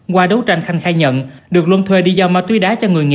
qua đấu tranh khanh khai nhận được luân thuê đi do ma túy đá